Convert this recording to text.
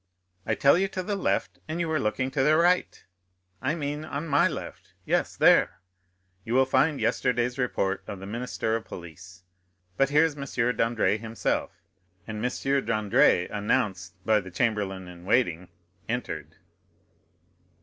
"I tell you to the left, and you are looking to the right; I mean on my left—yes, there. You will find yesterday's report of the minister of police. But here is M. Dandré himself;" and M. Dandré, announced by the chamberlain in waiting, entered.